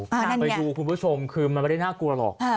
ไปดูคุณผู้ชมคือมันไม่ได้น่ากลัวหรอก